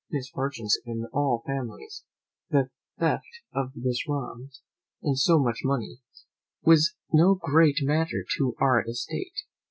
Misfortunes happen in all families: the theft of this romp and so much money, was no great matter to our estate.